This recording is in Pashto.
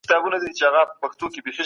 اقتصادي مرستې برکت ليدل کېږي.